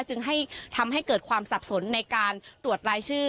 จึงให้ทำให้เกิดความสับสนในการตรวจรายชื่อ